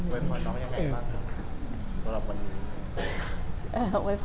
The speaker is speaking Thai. โอยภรน้องยังไงบ้างครับสำหรับวันนี้